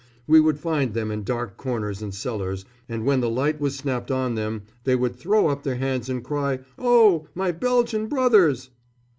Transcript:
We would find them in dark corners and cellars, and when the light was snapped on them they would throw up their hands and cry, "Oh, my Belgian brothers!"